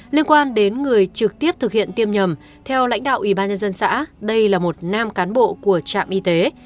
liên quan đến người trực tiếp thực hiện tiêm nhầm theo lãnh đạo ubnd xã đây là một nam cán bộ của trạm y tế